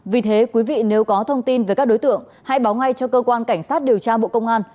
vì thế quý vị nếu có thông tin về các đối tượng hãy báo ngay cho cơ quan cảnh sát điều tra bộ công an